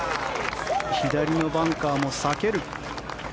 左のバンカーも避ける。